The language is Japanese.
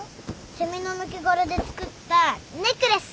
セミの抜け殻で作ったネックレス。